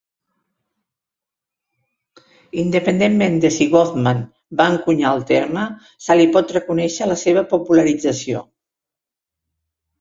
Independentment de si Goffman va encunyar el terme, se li pot reconèixer la seva popularització.